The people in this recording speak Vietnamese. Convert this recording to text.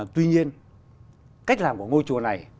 tuy nhiên cách làm của ngôi chùa này